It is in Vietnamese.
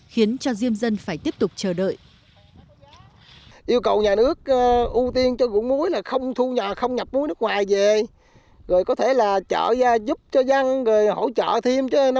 khiến cho diêm dân phải tiếp tục chờ đợi